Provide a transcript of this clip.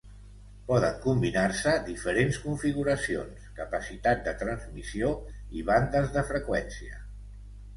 Poden combinar-se diferents configuracions, capacitat de transmissió i bandes de freqüència.